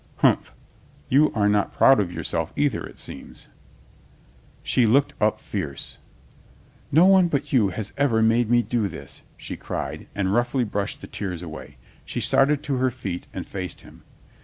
"Humph. You are not proud of yourself, either, it seems." She looked up fierce. "No one but you has ever made me do this," she cried and roughly brushed the tears away. She started to her feet and faced him.